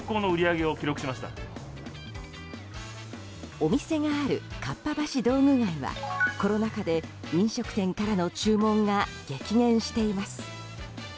お店があるかっぱ橋道具街はコロナ禍で飲食店からの注文が激減しています。